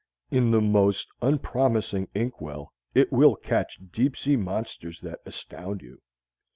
In the most unpromising inkwell it will catch deep sea monsters that astound you.